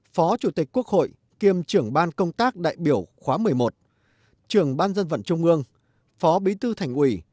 phó chủ tịch quốc hội kiêm trưởng ban công tác đại biểu khóa một mươi một trưởng ban dân vận trung ương phó bí thư thành ủy